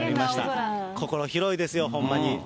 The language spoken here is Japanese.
心広いですよ、ほんまに。